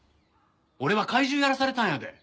俺は怪獣やらされたんやで。